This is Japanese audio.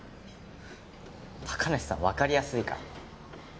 高梨さんわかりやすいから。